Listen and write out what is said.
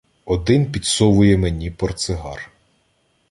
Один підсовує мені портсигар.